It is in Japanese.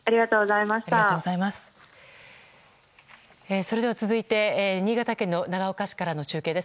それでは続いて新潟県の長岡市からの中継です。